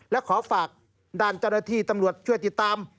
และขอฝากด้านเจ้าหน้าที่ตำรวจช่วยติดตาม